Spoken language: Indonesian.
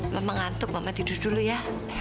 mama ngantuk mama tidur dulu ya